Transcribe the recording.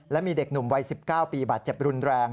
และมีเด็กหนุ่มวัย๑๙ปีบาดเจ็บรุนแรง